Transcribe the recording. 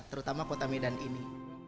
terutama kota medan ini